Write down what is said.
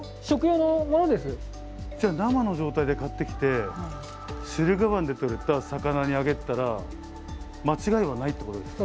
じゃあ生の状態で買ってきて駿河湾で取れた魚にあげてたら間違いはないっていうことですか？